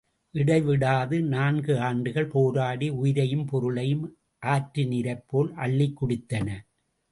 இடைவிடாது நான்கு ஆண்டுகள் போராடி உயிரையும் பொருளையும் ஆற்று நீரைப்போல் அள்ளிக்குடித்தன.